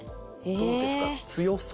どうですか？